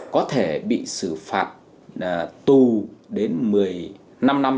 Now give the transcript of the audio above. có thể bị xử phạt tù đến một mươi năm năm